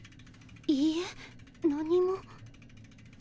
いいえ何も。